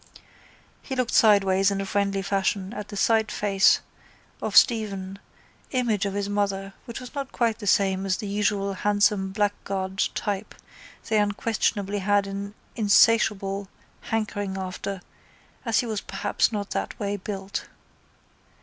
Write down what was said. He looked sideways in a friendly fashion at the sideface of Stephen, image of his mother, which was not quite the same as the usual handsome blackguard type they unquestionably had an insatiable hankering after as he was perhaps not that way built.